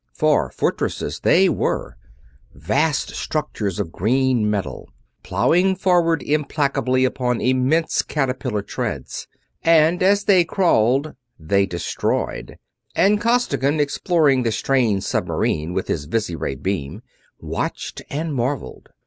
For fortresses they were; vast structures of green metal, plowing forward implacably upon immense caterpillar treads. And as they crawled they destroyed, and Costigan, exploring the strange submarine with his visiray beam, watched and marveled.